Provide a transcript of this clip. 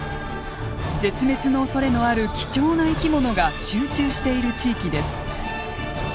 絶滅のおそれのある貴重な生き物が集中している地域です。